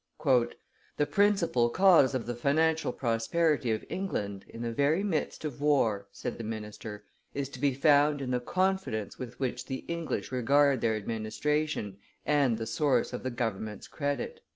"The principal cause of the financial prosperity of England, in the very midst of war, said the minister, "is to be found in the confidence with which the English regard their administration and the source of the government's credit."